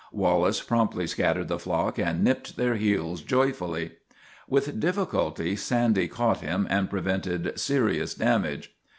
Wallace promptly scattered the flock and nipped their heels joyfully. With difficulty Sandy caught him and prevented serious damage.